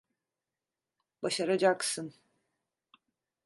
Başaracaksın.